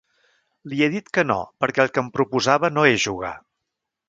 Li he dit que no perquè el que em proposava no és jugar.